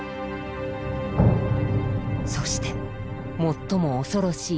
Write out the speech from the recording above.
そして最も恐ろしい